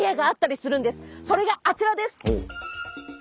それがあちらです！